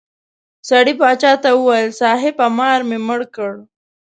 سړي باچا ته وویل صاحبه مار مې مړ کړ.